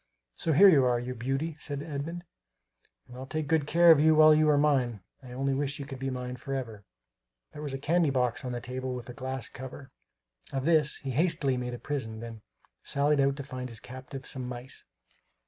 "So here you are, you beauty," said Edmund, "and I'll take good care of you while you are mine; I only wish you could be mine forever!" There was a candy box on the table with a glass cover. Of this he hastily made a prison, then sallied out to find his captive some mice.